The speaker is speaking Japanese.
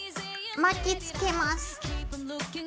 巻きつけます。